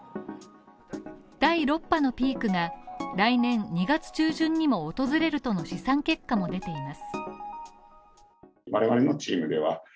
第６波のピークが来年２月中旬にも訪れるとの試算結果も出ています。